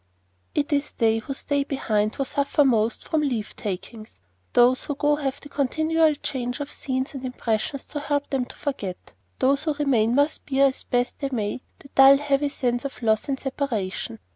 It is they who stay behind who suffer most from leave takings. Those who go have the continual change of scenes and impressions to help them to forget; those who remain must bear as best they may the dull heavy sense of loss and separation.